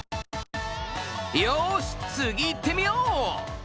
よし次いってみよう！